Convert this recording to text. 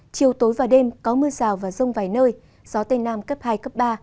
chiều tối và đêm có mưa rào và rông vài nơi gió tây nam cấp hai cấp ba